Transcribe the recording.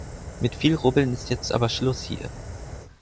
Mit viel rubbeln ist jetzt aber Schluss hier.